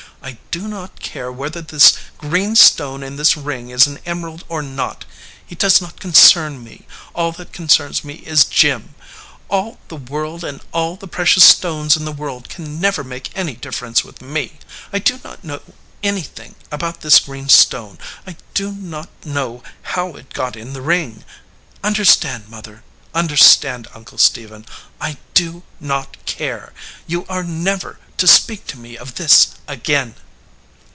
I do not care whether this green stone in this ring is an emerald or not. It does not concern me. All that concerns me is Jim. All the world and all the precious stones in the world can never make any difference with me. I do not know anything about this green stone. I do not know how it got in the ring. Understand, mother; understand, Uncle Stephen, I do not care. You are never to speak to me of this again."